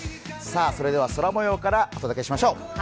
空もようからお届けしましょう。